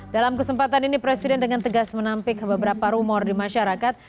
dalam kesempatan ini presiden dengan tegas menampik beberapa rumor di masyarakat